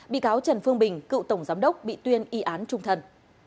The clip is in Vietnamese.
bị cáo trần phương bình cựu tổng giám đốc bị tuyên y án trung thân